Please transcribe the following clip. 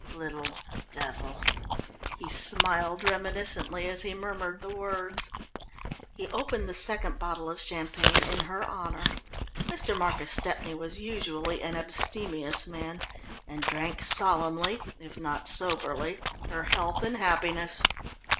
"Little devil," he smiled reminiscently, as he murmured the words. He opened the second bottle of champagne in her honour Mr. Marcus Stepney was usually an abstemious man and drank solemnly, if not soberly, her health and happiness.